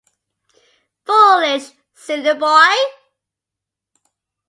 Foolish, silly boy!